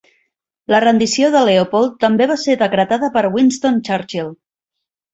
La rendició de Leopold també va ser decretada per Winston Churchill.